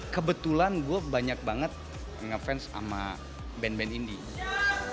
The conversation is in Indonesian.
kebetulan gue banyak banget ngefans sama band band indie